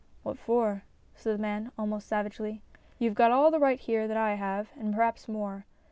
" What for ?" said the man, almost savagely. "You've got all the right here that I have, and perhaps more.